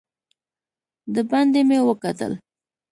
دباندې مې وکتل.